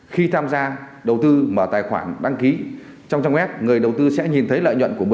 khi tham gia đầu tư mở tài khoản đăng ký trong trang web